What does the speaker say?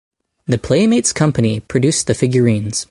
The Playmates company produced the figurines.